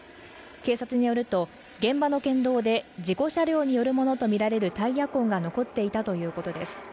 警察によると現場の県道で事故車両によるものとみられるタイヤ痕が残っていたということです